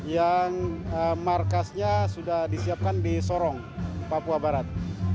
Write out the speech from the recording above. yang markasnya sudah disiapkan di sorong papua barat